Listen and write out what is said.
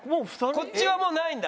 こっちはもうないんだ。